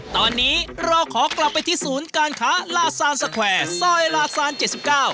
ตอนนี้เราขอกลับไปที่ศูนย์การค้าลาซานสแควร์ซอยลาซานเจ็ดสิบเก้า